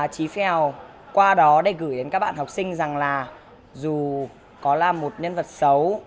trí phèo qua đó để gửi đến các bạn học sinh rằng là dù có là một nhân vật xấu